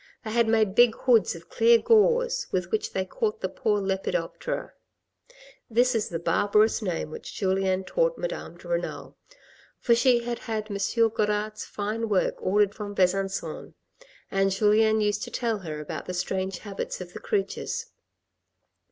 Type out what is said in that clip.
They had made big hoods of clear gauze with which they caught the poor lepidoptera. This is the barbarous name which Julien taught Madame de Renal. For she had had M. Godart's fine work ordered from Besancon, and Julien used to tell her about the strange habits of the creatures.